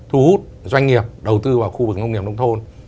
thu hút doanh nghiệp đầu tư vào khu vực công nghiệp đông thôn